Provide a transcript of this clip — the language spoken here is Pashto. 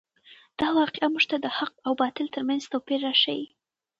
دا واقعه موږ ته د حق او باطل تر منځ توپیر راښیي.